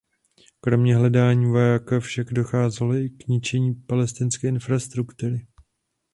Kromě hledání vojáka však docházelo i k ničení palestinské infrastruktury.